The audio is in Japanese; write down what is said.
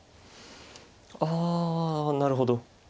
あなるほど。